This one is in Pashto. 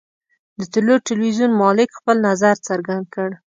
د طلوع ټلویزیون مالک خپل نظر څرګند کړ.